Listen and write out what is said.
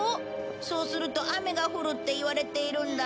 そうすると雨が降るっていわれているんだ。